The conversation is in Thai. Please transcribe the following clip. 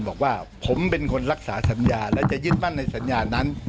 บอกว่าผมเป็นคนรักษาสัญญาและจะยึดมั่นในสัญญานั้น